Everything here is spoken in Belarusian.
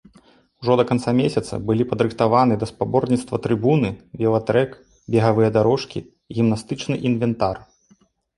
Ужо да канца месяца былі падрыхтаваныя да спаборніцтваў трыбуны, велатрэк, бегавыя дарожкі, гімнастычны інвентар.